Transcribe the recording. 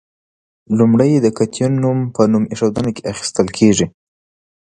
لومړی د کتیون نوم په نوم ایښودنه کې اخیستل کیږي.